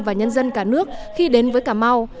và nhân dân cả nước khi đến với cà mau